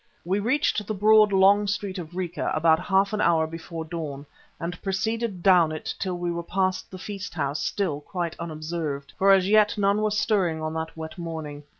We reached the broad, long street of Rica about half an hour before dawn, and proceeded down it till we were past the Feast house still quite unobserved, for as yet none were stirring on that wet morning.